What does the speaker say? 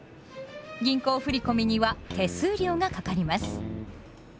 銀行振込には手数料がかかります。